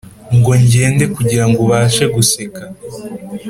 ngo ngende kugirango ubashe guseka